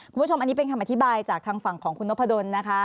คุณผู้ชมอันนี้เป็นคำอธิบายจากทางฝั่งของคุณนพดลนะคะ